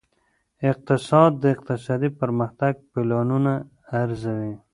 اقتصاد د اقتصادي پرمختګ پلانونه ارزوي.